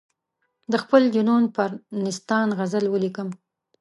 د خپل جنون پر نیستان غزل ولیکم.